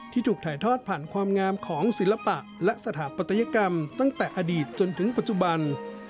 ถูกถ่ายทอดผ่านความงามของศิลปะและสถาปัตยกรรมตั้งแต่อดีตจนถึงปัจจุบัน